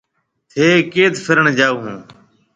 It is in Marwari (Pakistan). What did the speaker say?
ٿَي ڪيٿ ڦِرڻ جائو هون۔